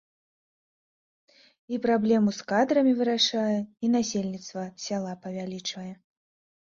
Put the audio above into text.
І праблему з кадрамі вырашае, і насельніцтва сяла павялічвае.